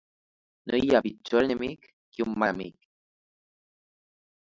No hi ha pitjor enemic que un mal amic.